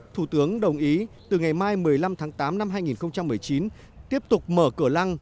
thủ tướng đồng ý từ ngày mai một mươi năm tháng tám năm hai nghìn một mươi chín tiếp tục mở cửa lăng